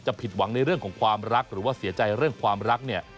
ผิดหวังในเรื่องของความรักหรือว่าเสียใจเรื่องความรักเนี่ย